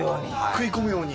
食い込むように。